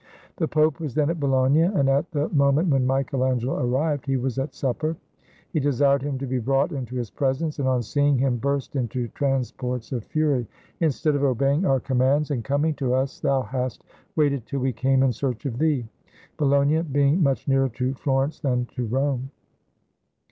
The Pope was then at Bologna, and at the mo ment when Michael Angelo arrived, he was at supper ; he desired him to be brought into his presence, and on seeing him burst into transports of fury, "Instead of obeying our commands and coming to us, thou hast waited till we came in search of thee!" (Bologna being much nearer to Florence than to Rome.)